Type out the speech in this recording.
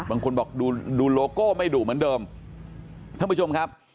บางคนบอกดูโลโก้ไม่ดุเหมือนเดิมท่านผู้ชมครับ